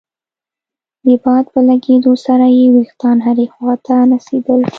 د باد په لګېدو سره يې ويښتان هرې خوا ته نڅېدل.